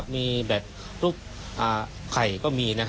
มีแบบก่อ